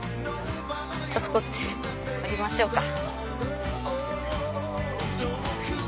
ちょっとこっち下りましょうか。